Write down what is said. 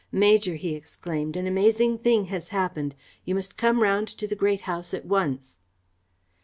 "Major," he exclaimed, "an amazing thing has happened. You must come round to the Great House at once."